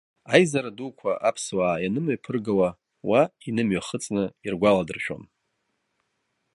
Аизара дуқәа аԥсуаа ианымҩаԥыргауа уа инымҩахыҵны иргәаладыршәон.